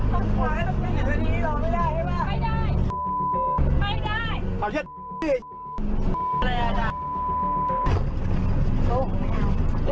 ไม่ใช่นี่มันคุ้นได้หรอก